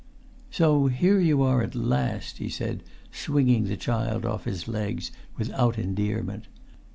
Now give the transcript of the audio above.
"So here you are at last," he said, swinging the child off his legs without endearment.